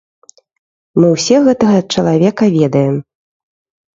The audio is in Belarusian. Мы ўсе гэтага чалавека ведаем.